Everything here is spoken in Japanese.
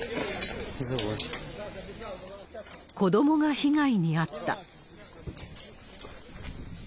子どもが被害に遭った。